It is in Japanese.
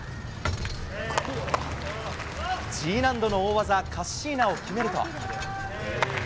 Ｇ難度の大技、カッシーナを決めると。